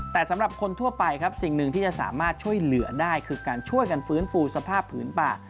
แต่สำหรับคนทั่วไปครับสิ่งหนึ่งที่จะสามารถช่วยเหลือได้คือการช่วยกันฟื้นฟูสภาพผืนป่า